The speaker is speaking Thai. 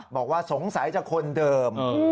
บอกว่าสงสัยจะคนเดิม